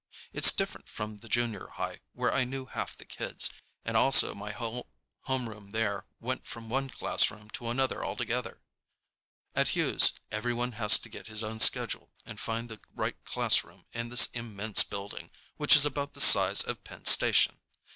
It's different from the junior high, where I knew half the kids, and also my whole homeroom there went from one classroom to another together. At Hughes everyone has to get his own schedule and find the right classroom in this immense building, which is about the size of Penn Station.